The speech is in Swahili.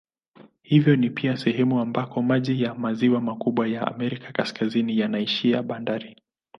Hivyo ni pia sehemu ambako maji ya maziwa makubwa ya Amerika Kaskazini yanaishia baharini.